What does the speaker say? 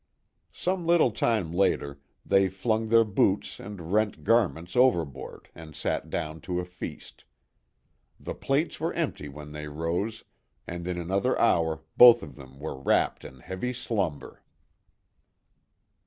Some little time later, they flung their boots and rent garments overboard and sat down to a feast. The plates were empty when they rose, and in another hour both of them were wrapped in heavy slumber.